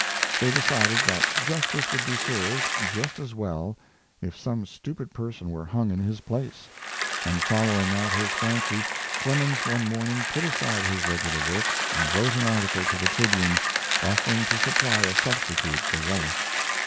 They decided that justice would be served just as well if some stupid person were hung in his place, and following out this fancy Clemens one morning put aside his regular work and wrote an article to the Tribune, offering to supply a substitute for Ruloff.